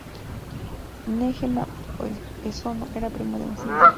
Nguema Esono era primo de Macías.